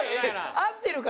合ってる。